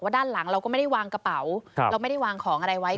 ด้านหลังเราก็ไม่ได้วางกระเป๋าเราไม่ได้วางของอะไรไว้